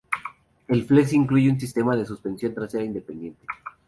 El Flex incluye un sistema de suspensión trasera independiente.